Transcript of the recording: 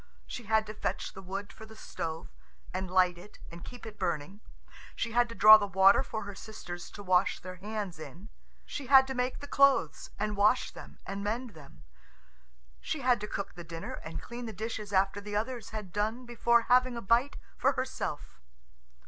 She had to fetch the wood for the stove, and light it and keep it burning. She had to draw the water for her sisters to wash their hands in. She had to make the clothes, and wash them and mend them. She had to cook the dinner, and clean the dishes after the others had done before having a bite for herself.